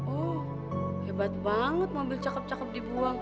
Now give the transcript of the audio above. oh hebat banget mobil cakep cakep dibuang